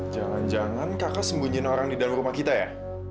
jangan jangan kakak sembunyiin orang di dalam rumah kita ya